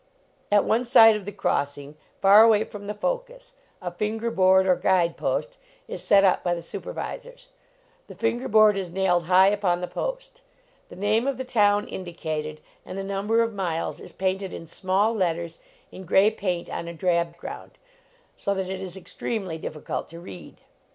At one side of the crossing, far away from the focus, a finger board, or guide post, is set up by the supervisors. The finger board is nailed high upon the post. The name of the town indi cated, and the number of miles is painted in small letters, in gray paint on a drab ground, so that it is extremely difficult to read.